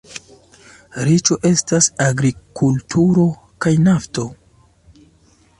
Riĉo estas agrikulturo kaj nafto.